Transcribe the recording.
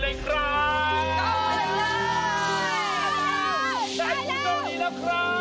ใจโต๊ะบื้นรับครับ